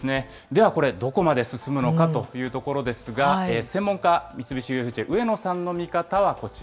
ではこれ、どこまで進むのかというところですが、専門家、三菱ＵＦＪ、植野さんのあら。